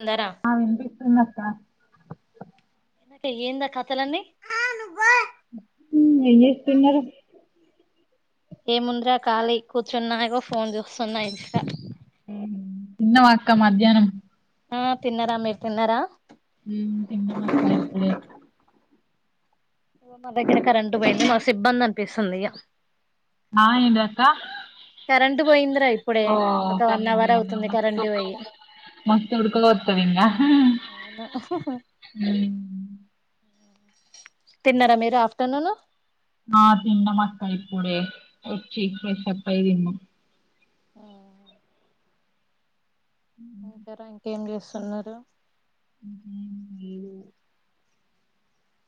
ఉందరా ఆ వినిపిస్తుంది అక్క ఏంది ఆ కథలన్నీ ఏం జేస్తున్నారు ఏముందిరా ఖాళీ కూర్చున్నా ఇగో ఫోన్ చూస్తున్నా ఇంకా తిన్నావా అక్క మధ్యానం ఆ తిన్నారా మీరు తిన్నారా ఉ తిన్నము అక్క ఇప్పుడే ఓ మా దగ్గర కరెంటు బొయింది మస్త్ ఇబ్బంది అనిపిస్తుంది ఇగ ఆ ఏందక్క కరెంట్ పోయిందిరా ఇప్పుడే ఓ ఒక వన్ కరెంట్ అవర్ పోయిందా అవుతుంది మస్త్ కరెంట్ ఉక్క పోయి మస్త్ ఉుడక పోత్తది ఇంక అవును తిన్నారా మీరు ఆఫ్టర్నూను ఆ తిన్నాం అక్క ఇప్పుడే వచ్చి ఫ్రెష్అప్ అయ్యి దిన్నం ఆ ఇంకారా ఇంకేం జెస్తున్నారు ఏమ్ ఏమున్నాయ్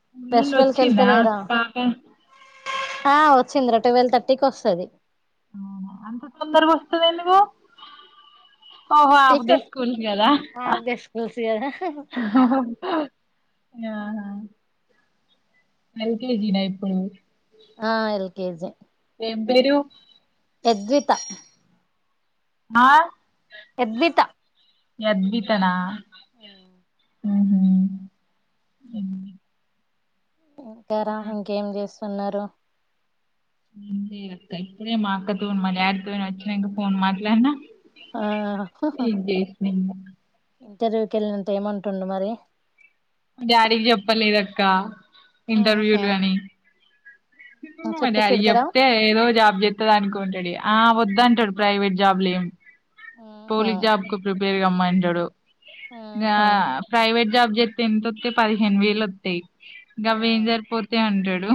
స్కూల్ నుండి ఫెస్టివల్ కి వచ్చిందా వెళ్తలేరా పాప ఆ వచ్చింది రా టువల్వ్ థర్టీకి వస్తది అవునా అంత తొందరగా వస్తది ఏంది మే ఓహో హాఫ్ డే ఇక్కడ స్కూల్స్ గదా హాఫ్ డే స్కూల్స్ కదా ఆహా ఎల్కేజీనా ఇప్పుడు కేజే ఏం పేరు ఎద్విత ఆ ఎద్విత యద్విత నా ఉమ్ ఉహు ఊ ఇంకేరా ఇంకేం చేస్ తున్నారు ఏం చేయలే అక్క ఇప్పుడే మా అక్క తోని మా డాడీ తోని వచ్చిన ఇంక ఫోన్ మాట్లాడినా ఆ నీకు చేసిన [inaudible] ఇంటర్వ్యూకి వెళ్ళినంత ఏమంటుండు మరి డాడీకి చెప్పలేదక్క ఆహా ఇంటర్వ్యూలు అని మా చెప్తే డాడికి తిడతాడా చెప్తే ఏదో జాబ్ చేత్తది అనుకుంటాడు ఇగ ఆ ఓ అంటారు ప్రైవేట్ జాబ్లు ఏం ఆహా పోలీస్ జాబ్ కి ప్రిపేర్ రమ్మంటాడు గా ఆహా ప్రైవేట్ జాబ్ చే టెంతోత్తై పదిహేను వేలు వొత్తయి గవేం జరిపోతయి అంటడ్ లు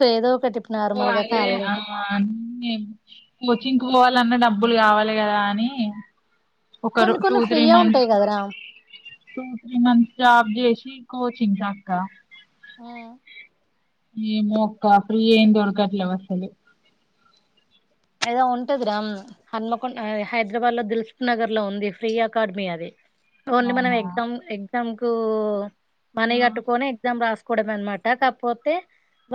కేదో ఒకటి ఇప్పుడు ఓ నార్మల్ గా అరే కాలే అ అన్ని కోచింగ్ పోవాలన్నా డబ్బులు కావాలి కదా అని ఒకరు కొన్ని టూ కొన్ని త్రీ ఫ్రీయే మంత్స్ ఉంటాయి కదరా టూ త్రీ మంత్స్ జాబ్ చే చి కోచింగ్ కి అక్క ఊ ఏమో అక్క ఫ్రీ ఏం దొరకట్లేవు అసలు ఏదో ఉంటదిరా మ్మ్ హన్మకొండ హైదరాబాద్ లో దిల్సుప్ నగర్ లో ఉంది ఫ్రీ అకాడమీ అది ఓన్లీ మనం అవునా ఎగ్జామ్ ఎగ్జామ్ కో మనీ ఆ కట్టుకోని ఎగ్జామ్ రాస్ కూడమే అనమాట కాకపోతే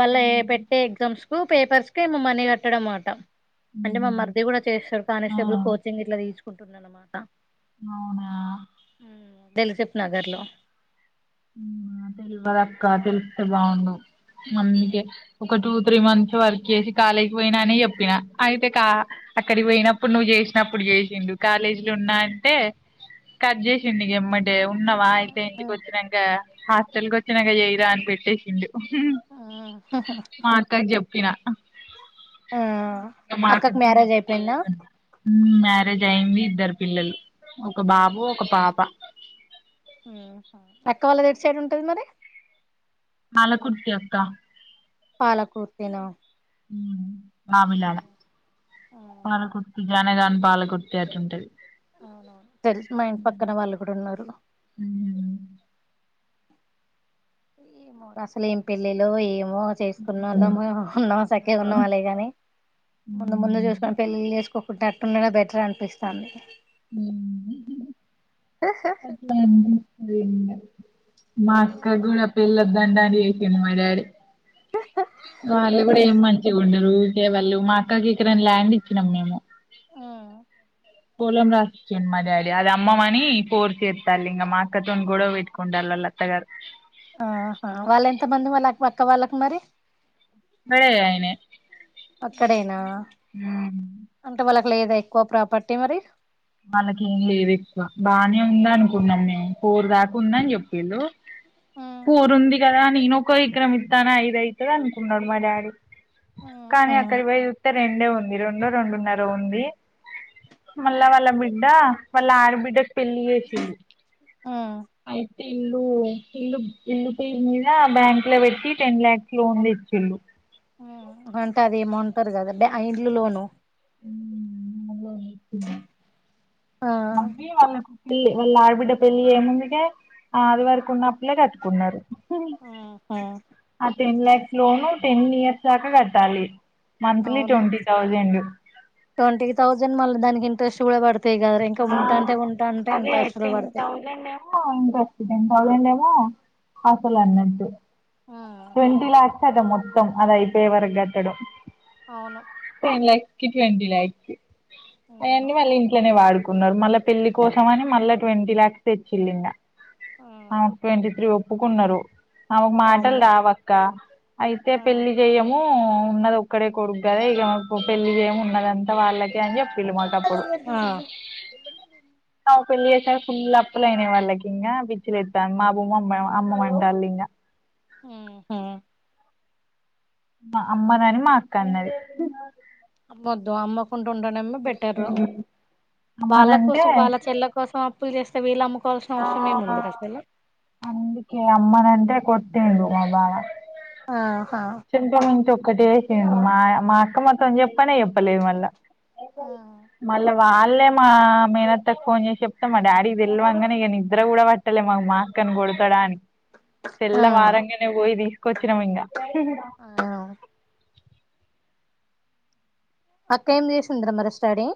వాళ్ళ ఏ మ్మ్ పెట్టే ఎగ్జామ్స్ పూ పేపర్స్ కే ఏమో మనీ కట్టడం అట అంటే మా మరిది కూడా చేస్తారు ఆ కానిస్టేబుల్ కోచింగ్ ఇట్లా తీసు కుంటుండనమాట అవునా ఉమ్ దిల్సుప్ నగర్ లో ఉమ్ తెల్వదు అక్క తెలిస్తే బావున్ను అందుకే ఒక టూ త్రీ మంత్స్ వర్క్ చేసి కాలేజీకి పోయినాని చెప్పిన. అయితే కా అక్కడికి పోయినప్పుడు నువ్వు చేసినప్పుడు చేసిడు. కాలేజీ లో ఉన్నా అంటే కట్ చేసిండు ఈగ ఎమ్మటే, ఉన్నావా అయితే ఇంటికి వచ్చినా హాస్టల్ క వచ్చినాక చేయరా అని పెట్టేసిండు, మా అక్కక్ చేప్పు చెప్పిన ఆ మా మా అక్క అక్కకు తోని మ్యారేజ్ చెప్తే అయిపోయిందా మ్యారేజ్ అయియంది, ఇద్దరు పిల్లలు, ఒక బాబు ఒక పాప హు అక్క వాళ్ళది ఎటు సైడ్ ఉంటది మరి పాలకుర్తి అక్క పాలకుర్తి నా ఉ వావిలాల పాలకుర్తి జనగం, పాలకుర్తి అటు ఉంటది అవున తెలుసు మా ఇంటి పక్కన వాళ్ళు కూడా ఉన్నారు అసలు ఏం పెళ్ళిలో ఏంమో మ చేసుకున్న వాళ్ళ ఉన్నా సక్కేగా ఉన్నాం అళ్లె గాని ముందు ముందు చూసు పెళ్ళిలు చేసుకు ఇప్పుడు అట్లుండడమే బెటర్ అనిపిస్తుంది హ్మ్మ్ అట్లన అండి మాస్కా గుడా పిల్ల లండన్ చేసిండు మా డాడీ వాళ్ళు కూడా ఏం మంచి గా వుండరు లె వాళ్ళు మా అక్కకి ఇక్కడ ల్యాండ్ ఇచ్చినాం మేము ఆ పొలం రాసిం మా డాడీ అది అమ్మమని పోర్ చేస్తారు ఇంకా మా అక్కతోని గొడవ పెట్టుకుంటళ్ళ వాళ్ళతగారు ఆహా వాళ్ళ ఎంత మంది వాళ్ళ అక్క వాళ్ళకి మరి వేరైనాయి అక్కడేనా హ్మ్మ్ అంటే వాళ్ళకి లేదా ఎక్కువ ప్రాపర్టీ మరి వాళ్ళకేం లేదు ఎక్కువ బాగానే ఉంద అనుకున్నాం మేము ఫోర్ దాకా ఉంద అని చెప్పింరు ఆ పోరుంది ఇదా నేనుకో ఎకరం ఇత్తే ఐదు అయితది అనుకున్నాడు మ డాడి కానీ ఆ అక్కడి బోయి చూత్తే రెండే ఉంది రెండో రెండున్నర ఉంది మల్లా వాళ్ళ వాళ్ళ ఆడబిడ్డ పెళ్లి చేసిండు ఐ ఇల్లు ఇల్లు ఇల్లు పేరు మీద బ్యాంక్ లో పెట్టి టెన్ లాక్స్ లోన్ తెచ్చిల్ళు అంటే అది ఏమంటారు కదా ఇల్లు లోను ఉ ఆ మమ్మి వాళ్ళకు వాళ్ళ ఆడబిడ్డ పెళ్లి ఏముందుకే అది వరకు ఉన్న అప్పులేే కట్టుకున్నారు అపెండ్లాయప్ప లోను టెన్ ఇయర్స్ దాకా కట్టాలి మంత్లీ అవును ట్వంటీ థౌజండ్ థౌసండ్ మల్లి దానికి ఇంట్రెస్ట్ కూడా కడతాం ఆ అదే ఇంట్రెస్ట్లు పడతాయి థౌసండ్ ఏమో ఇంట్రస్ట్ థౌసండ్ ఏమో అసలు అన్నటు ట్వంటీ లాక్స్ అద మొత్తం అది అయిపోయే వరకు కట్టడం అవును టంలై కట్వడి లే అక్ అవును అవన్నీ మళ్ళీ ఇంట్లోనే వాడుకు కున్నారు మళ్ళా పెళ్ళలి కోసం అని మళ్ళా ట్వంటీ లాక్స్ తెచ్చిళ్ళం ట్వంట త్రీ ఒప్పుకున్నారు అ మా బట్టలు వామ్మో రావక్క అయితే పెళ్లి చెయ్యము ఉన్నది ఒక్కడే కొడుకు కదా ఇక పెళ్లి చేమి ఉన్నదంతా వాళ్ళకి అప్పలు మాటప్పుడు పెళ్ళసార్ ఫుల్ అప్పుల అయినా వాళ్ళకి ఇంగ బీచ్లు ఎతారు మా అ బూమ్మమ్ అమ్మ ఉంటారులి ఆహా మా అమ్మ నాని మా అక్క అన్నది అమ్మొద్దు అమ్మకు కుు ఉండడమే బెటర్ వాళ్ళ అమ్మనంటే కోసం వాళ్ళ చెల్ల కోసం చేస్త వీళ్ళ ఆ అందుకే అమ్మనంటే కొట్ త మాబా ఆ చెంకా ము చ ఒ ఒకటిే మా మా అక్క మొత్తం చెప్పనే చెప్పలేదు మళ్ళా ఆ మళ్ళ వాళ్ళే మా మేనత్త కి ఫోన్ చేసి చెప్తాం మా డాడీ కి తెల్వంగానే ఇక నిద్ద్ర కూడా పట్టలే మాకు మా అక్క నీ కొడతడా అని ఆ తెల్ల ఆరంగనే పోయి తీసుకో వచ్చినా ఇంకా ఆవు అక్క ఏమిద సుందరమరస్టాడే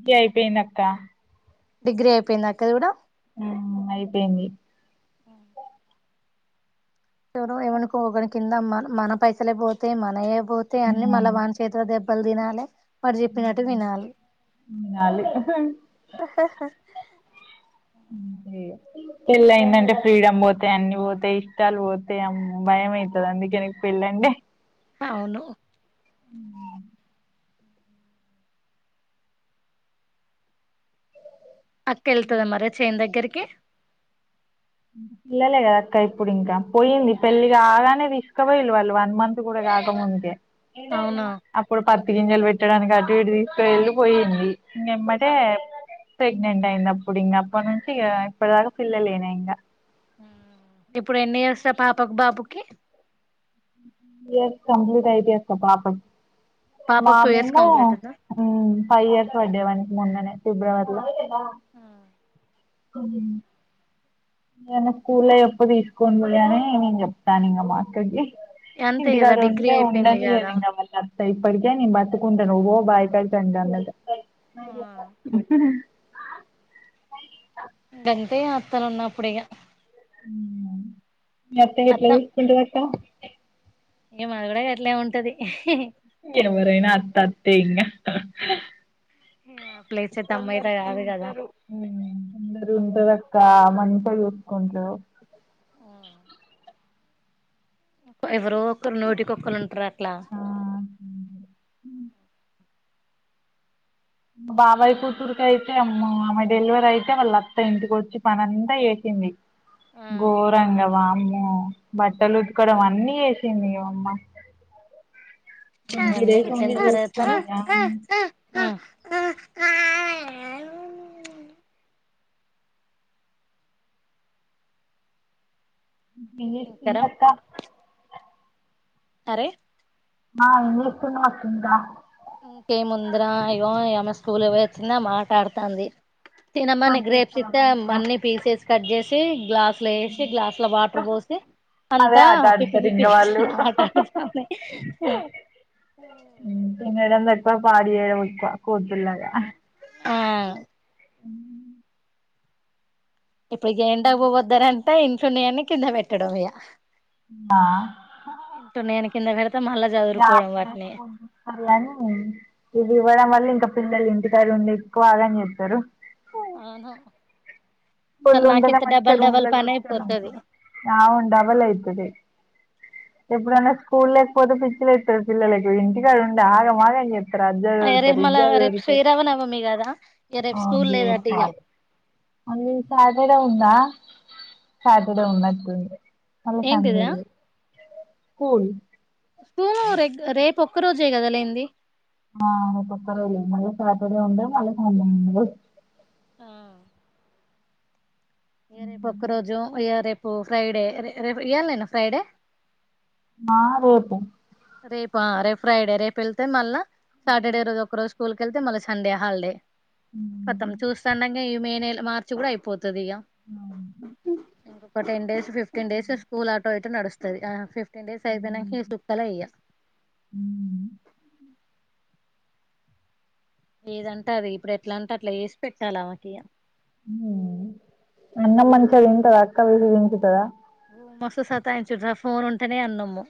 డిగ్రీ అయిపోయిందక్క డిగ్రీ అయిపోయిందా అక్క ది కూడా ఆమ్ అయిపోయింది ఆ ఎవరు ఏమనుకోని కింద మ మన పైసలే పోతే మన పోతే అని మళ్ళ వాన చేతిలో దెబ్ ప్పల్ దినాల మరి చెప్పినట్టు వినాలి తినాలి అే పెళ్ళైందంటే ఫ్రీడమ్ పోతేా అన్ని పోతాయి ఇష్టాలు పోతేామ్ భయం అవుతుంది అందుకే పెళ్ళండి హవును అక్కెళ్తుదా మరే చేన్ దగ్గ కే పిల్లలే కదక్క ఇప్పుడు ఇంకా పొయింది పెళ్లి కాగానే తీస్కపొయిళ్లు వాళ్ళు వన్ మంత్ కూడా కాకముందకే అవునా అప్పుడు పత్తి గింజలు పెట్టడానికి అటు ఇటు పెళ్ళు పోయింది ఇంగేమ్మటే ప్రెగ్నెంట్ అయింది అప్పుడింగ అప్పనుంచిగా ఇప్పటిదాక పిల్లలేనాయి ఇంగ ఉమ్ ఇప్పుడు ఎన్ని ఇయర్స్ ఆ పాపక్ బాబుకి టూ ఇయర్స్ కంప్లిట్ అయితై అక్క పాప మా పాపకు టూ ఇయర్స్ మేమో కంప్లీట్ ఉందా ఉమ్ ఫై ఇయర్స్ పడ్డయ్ మొన్ననే ఫిబ్రవరిలో ఆ ఉమ్ నేను స్కూల్లో ఎప్పు తీసుకోంన్ గని నేను చెప్తానింగ మా అక్కకి అంతే కదా ఇంటికాడ డిగ్రీ ఉంటే అయిపోయింది కదా ఉండనీయదింగ మళ్ళ ఇప్పటికే నేను పట్టుకుంట నుపో బాయ్కడికంటాందట అంతే అత్తలన్నప్పుడిగ హుమ్ మీయత్త అత్త ఎట్లచూసుకుంటదక్క ఇగ మాది కూడా గట్లే ఉంటది ఇహ్ హి హి ఎవ్వరైనా అత్త అత్తే ఇంగ ఏ కొందరికుంటరు ఉమ్ కొందరు ఉంటారక్కా మం [unintelligible] ఎవరో ఒకరు నూటికొక్కరుంటరట్ల ఆ బాబాయ్ కూతురుకైతే అమ్మ ఆమ డెలివరైతే వాళ్ళ అత్త ఇంటిక వచ్చి పనంత చేసింది గోరంగ వామ్ ఆ బట్టలు ఉతుకడం అన్నీ చేసింది వమ్మ ట్వంటీ ఇవన్నీ డేస్ ఉండి చూసుకుంది ఆమ్ ఉమ్ ఇంకరా [unintelligible] అక్క అరే ఆ ఎంచెత్తున్నవ్ అక్క ఇంకా ఇంకేముందర ఇగో యామే స్కూల్ పోయి వచ్చిందామే ఆటాడతంది తినమని హోంవర్క్ గ్రేప్స్ చేస్తారా ఇత్తే మంచిగా మన్ని పీసెస్ కట్ చేసి గ్లాసులు వేసి గ్లాసుల వాటర్ పోసి అదే అంతా ఆట పిప్పి ఆడుతారు పిప్పి ఇంగ వాళ్ళు చేస్తుంది అమే ఆట ఆడుతాంది [unintelligible] పాడు చేయడం ఎక్కువా కోతులగా ఆ ఇప్పటికి ఏండాకపోవద్దానే అంటే ఇంట్లో ఉన్నయావి కింద పెట్టడం ఇగ ఆ ఇంట్లోన్నయన్ని కింద [unintelligible] [inaudible] చదురుకోవడం వాటిని కాని ఇది కూడా మళ్ళీ ఇంకా పిల్లలు ఇంటికాడ ఉండి ఎక్కువ ఆగాని చెస్తారు అవును అసలు నాకైతే డబల్ డబల్ పని అయిపోతది అవును డబల్ అయితది ఎప్పుడైనా స్కూల్ లేకపోతే పిచ్చి లేస్తాది పిల్లలకి ఇంటికాడ ఉంటే ఆగమాగం చె అయ రేపు మళ్ళా రేప్ శ్రీరామ నవమి కదా ఇక రేపు స్కూల్ లేదట ఇగ అ సాటర్డే ఉందా సాటర్డే ఉన్నట్టుంది మళ్ల సండే ఏంటిదా లేదు కుల్ స్కూల్ ర రేపు ఒక్క రోజే కదలైంది అవును రేప్ ఒక్కరోజే మళ సాటర్డే ఉండే మళ సండే ఉంది ఆ ఇగ రేపొక్క రోజు ఇగ రేప్ ఓ ఫ్రైడే రె రె రేప్ ఈయల్ నేనా ఫ్రైడే ఆ రేపు రేపా రేపు ఫ్రైడే రేపు వెళ్తే మళ్ళా సాటర్డే రోజు ఒక్క రోజు స్కూల్కి వెళ్తే మళ్ళ సండే హాల్ డే కతం చూస్తాండగ ఇ మే నెల్ మార్చి కూడా అయిపోత్ తదియ ఇంకొక ten days fifteen days school auto ఇటో నడుస్ తది ఆ ఫిఫ్ టెన్ డేస్ ఐపోయినంక ఇగ సుక్కలే ఇగ ఊ ఏదంటా అది ఇప్పుడు ఎట్లా అంట అట్ల ఏసి పెట్టాలి ఆమెకిగ ఊ అన్నం మంచిగ తింటద అక్కకు దీనిపితదా మస్త్ సతాయించుడ్ర ఫోన్ ఉంటేనే అన్నము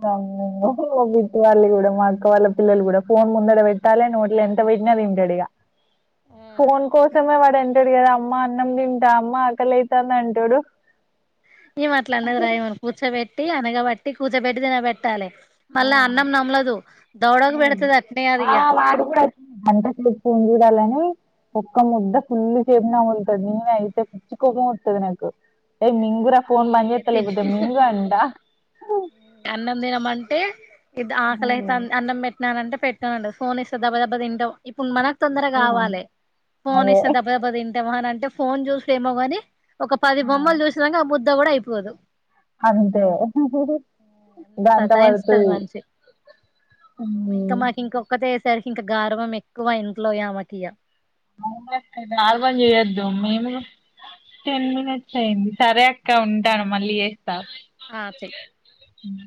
వామ్మో ఓహో బిట్ వాళ్ళు కూడా మా అక్క వాళ్ళ పిల్లలు కూడా ఫోన్ ముందర పెట్టాలే నోట్ల ఎంత పెట్టినా తింటడిగ ఫోన్ కోసమే వాడు ఎం సుడిగడు కదా అమ్మ అన్నం తింటా అమ్మ ఆకలైతంది అంటడు ఏం అట్లా అన్నర ఈమెను కూర్చోబెట్ ట్టి అనగబట్టి కూర్చోబెటి తినబెట్టాలే ఆ ఊ పెడతది అట్నే అది ఆ ఇగ వాడు గూడ అచ్చిండు అంత చెపింది వాళ్లని ఒక్క ముద్ద ఫుల్ సేపు నముల్తది నేనే అయితే పిచ్చికోపమతది నాకు ఏయ్ మింగుర ఫోన్ ఇగ బంజేత తిన్ లేకపోతే మింగ్ అంట టే ఇది ఆకలయితంది అన్నం పెట్టినానంటే పెట్టనంటది ఫోన్ ఇస్తే దబ దబ తింటవ్ ఇప్పుడు మనక్ తొందరగా కావాలి అదే. ఫోనిస్తే దబ దబ తిం ఏమనంటే ఫోన్ చూసు ఏమో గాని ఒక పది ఆ! బొమ్మలు చూసినాక ఆ బుద్ ద కూడా అయిపోదు అంతే ఎంత గంట సతాయిస్తది వడతది మనిషి ఊ ఇంకా మాకు ఇంకొక్కతే సరికి ఇంకా గార్వం ఎక్కువ ఇంట్లో ఆమకిగ అవునక్క గార్బం చేయొద్దు మేము టెన్ మినట్స్ అయింది సరె అక్క ఉంటాను మళ్ళీ ఎస్ ట ఆ చెయ్ మ్